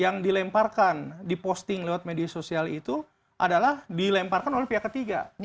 yang dilemparkan diposting lewat media sosial itu adalah dilemparkan oleh pihak ketiga